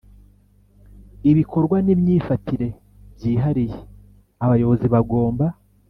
Ibikorwa n imyifatire byihariye abayobozi bagomba